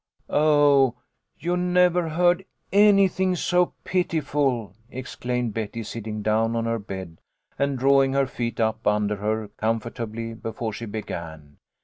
"Oh, you never heard anything so pitiful," ex claimed Betty, sitting down on her bed and drawing her feet up under her comfortably before she began.